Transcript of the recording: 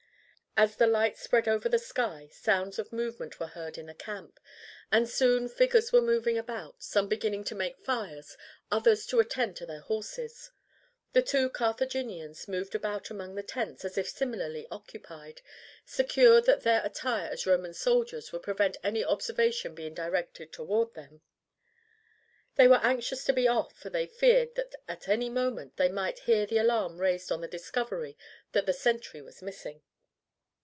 As the light spread over the sky sounds of movement were heard in the camp, and soon figures were moving about, some beginning to make fires, others to attend to their horses. The two Carthaginians moved about among the tents as if similarly occupied, secure that their attire as Roman soldiers would prevent any observation being directed towards them. They were anxious to be off, for they feared that at any moment they might hear the alarm raised on the discovery that the sentry was missing.